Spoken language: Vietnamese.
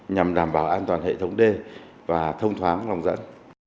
nhằm đảm bảo an toàn hệ thống đê và thông thoáng lòng dẫn